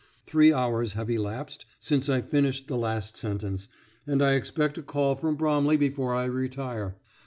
Three hours have elapsed since I finished the last sentence, and I expect a call from Bromley before I retire.